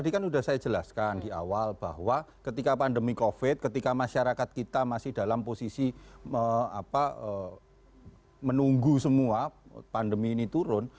tadi kan sudah saya jelaskan di awal bahwa ketika pandemi covid ketika masyarakat kita masih dalam posisi menunggu semua pandemi ini turun